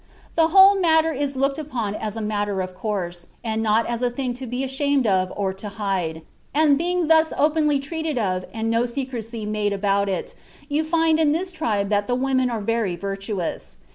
"The whole matter is looked upon as a matter of course, and not as a thing to be ashamed of or to hide, and, being thus openly treated of and no secrecy made about it, you find in this tribe that the women are very virtuous.